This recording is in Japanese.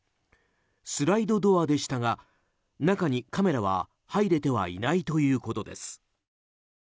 スライドドアでしたが中にカメラは入れてはいないということです。